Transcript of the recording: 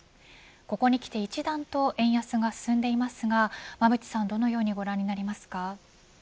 ここにきて一段と円安が進んでいますがどのようにご覧になりますか。